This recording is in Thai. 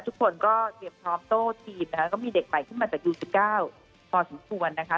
ทุกคนก็เตรียมพร้อมโต้ทีมนะคะก็มีเด็กใหม่ขึ้นมาจากยู๑๙พอสมควรนะคะ